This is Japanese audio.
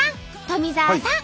富澤さん！